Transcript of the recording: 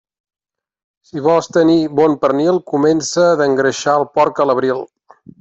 Si vols tenir bon pernil, comença d'engreixar el porc a l'abril.